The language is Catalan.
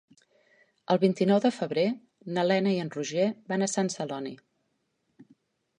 El vint-i-nou de febrer na Lena i en Roger van a Sant Celoni.